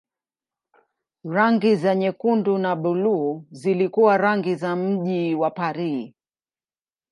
Rangi za nyekundu na buluu zilikuwa rangi za mji wa Paris.